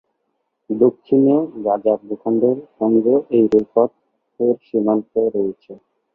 দক্ষিণে গাজা ভূখণ্ড সঙ্গে এই রেলপথের সীমান্ত রয়েছে।